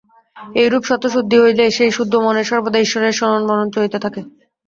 এইরূপে সত্ত্বশুদ্ধি হইলে সেই শুদ্ধ মনে সর্বদা ঈশ্বরের স্মরণ-মনন চলিতে থাকে।